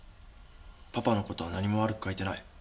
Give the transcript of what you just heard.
パパの事は何も悪く書いてない。